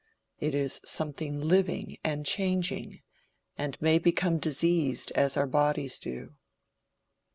It is something living and changing, and may become diseased as our bodies do."